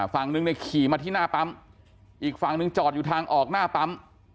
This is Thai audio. ฝั่งนึงเนี่ยขี่มาที่หน้าปั๊มอีกฝั่งหนึ่งจอดอยู่ทางออกหน้าปั๊ม